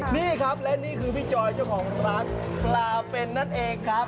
นี่ครับและนี่คือพี่จอยเจ้าของร้านปลาเป็นนั่นเองครับ